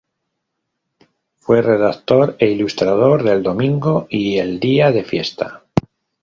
Fue redactor e ilustrador de "El Domingo" y "El Día de Fiesta.